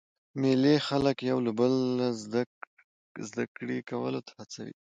مېلې خلک یو له بله زده کړي کولو ته هڅوي.